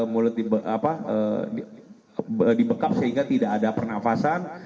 mulut dibekap sehingga tidak ada pernafasan